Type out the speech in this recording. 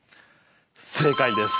正解です。